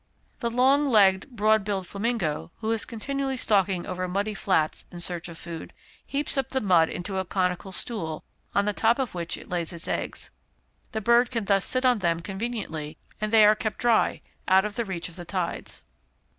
The long legged, broad billed flamingo, who is continually stalking over muddy flats in search of food, heaps up the mud into a conical stool, on the top of which it lays its eggs. The bird can thus sit upon them conveniently, and they are kept dry, out of reach of the tides.